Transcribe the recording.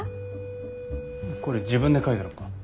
これ自分で描いたのか。